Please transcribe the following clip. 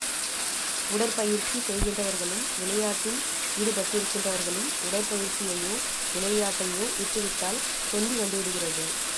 உடற்பயிற்சி செய்கின்றவர்களும் விளையாட்டில் ஈடுபட்டிருக்கின்றவர்களும் உடற் பயிற்சியையோ விளையாட்டையோ விட்டு விட்டால், தொந்தி வந்துவிடுகிறது.